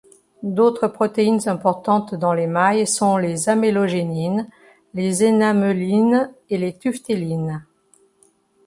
D'autres protéines importantes dans l'émail sont les amélogénines, les énamelines et les tuftélines.